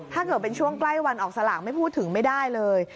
ถ้าเกิดเป็นช่วงใกล้วันออกสลากไม่พูดถึงไม่ได้เลย